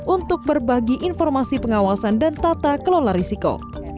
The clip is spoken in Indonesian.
untuk berbagi informasi pengawasan dan tata kelola risiko